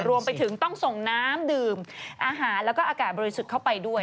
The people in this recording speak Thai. รวมไปถึงต้องส่งน้ำดื่มอาหารแล้วก็อากาศบริสุทธิ์เข้าไปด้วย